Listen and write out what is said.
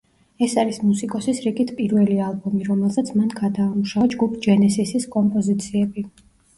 ეს არის მუსიკოსის რიგით პირველი ალბომი, რომელზეც მან გადაამუშავა ჯგუფ ჯენესისის კომპოზიციები.